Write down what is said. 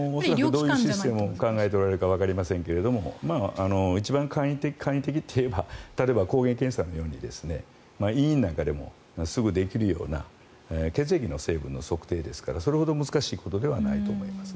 どういうシステムを考えているかわかりませんが一番簡易的といえば例えば抗原検査のように医院なんかでもすぐできるような血液成分の測定なのでそれほど難しいことではないと思います。